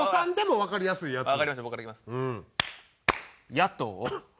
野党。